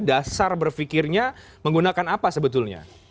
dasar berfikirnya menggunakan apa sebetulnya